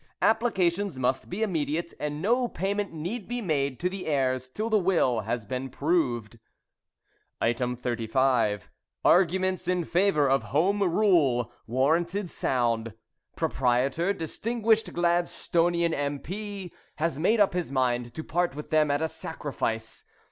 Applications must be immediate, and no payment need be made to the heirs till the will has been proved. 35. Arguments in favour of Home Rule (warranted sound); proprietor, distinguished Gladstonian M.P., has made up his mind to part with them at a sacrifice.